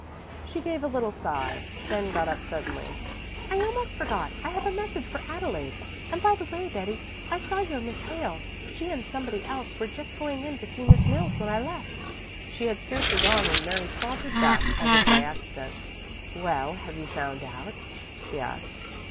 She gave a little sigh, then got up suddenly. "I almost forgot; I have a message for Adelaide. And by the way, Betty, I saw your Miss Hale; she and somebody else were just going in to see Miss Mills when I left." She had scarcely gone when Mary sauntered back as if by accident. "Well, have you found out?" she asked.